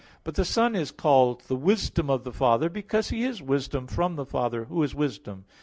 But the Son is called the Wisdom of the Father, because He is Wisdom from the Father Who is Wisdom.